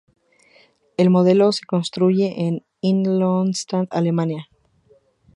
El modelo se construye en Ingolstadt, Alemania.